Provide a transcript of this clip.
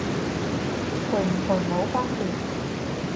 賠唔賠冇分別